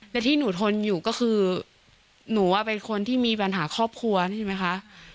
และที่หนูทนอยู่ก็คือหนูเป็นคนที่มีปัญหาครอบครัวใช่ไหมคะ